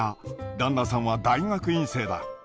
旦那さんは大学院生だ。